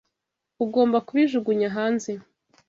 Ugomba kubijugunya hanze.